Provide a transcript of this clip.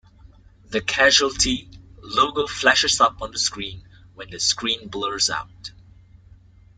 The "Casualty" logo flashes up on the screen when the screen blurs out.